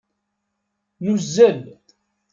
Nuzzel.